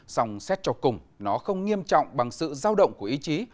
song xét cho cùng nó không nghiêm trọng bằng sự giao động của ý chí